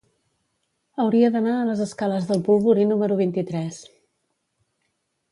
Hauria d'anar a les escales del Polvorí número vint-i-tres.